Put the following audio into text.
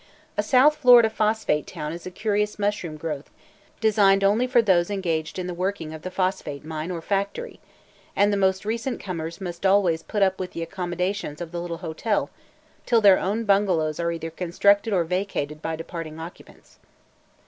A South Florida phosphate town is a curious mushroom growth, designed only for those engaged in the working of the phosphate mine or factory, and the most recent comers must always put up with the accommodations of the little hotel till their own bungalows are either constructed or vacated by departing occupants.